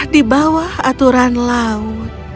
di bawah aturan laut